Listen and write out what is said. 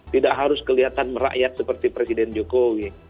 tidak harus kelihatan merakyat seperti presiden jokowi